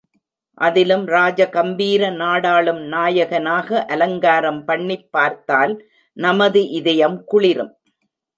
அதிலும் ராஜ கம்பீர நாடாளும் நாயகனாக அலங்காரம் பண்ணிப் பார்த்தால் நமது இதயம் குளிரும்.